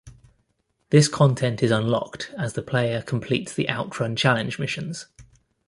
This content is unlocked as the player completes the OutRun Challenge missions.